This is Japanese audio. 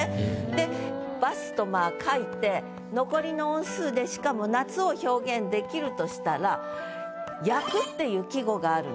で「バス」とまあ書いて残りの音数でしかも夏を表現できるとしたら「灼く」っていう季語があるんです。